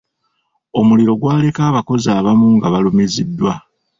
Omuliro gwaleka abakozi abamu nga balumiziddwa.